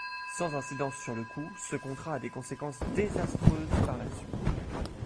Sans incidence sur le coup, ce contrat a des conséquences désastreuses par la suite.